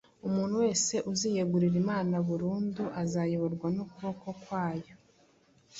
Umuntu wese uziyegurira Imana burundu azayoborwa n’ukuboko kwayo.